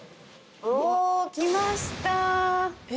うお来ました。